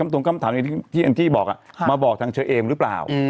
ตรงคำถามที่อันตรีบอกมาบอกทางเชอเอมหรือเปล่า